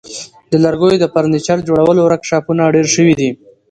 د لرګیو د فرنیچر جوړولو ورکشاپونه ډیر شوي دي.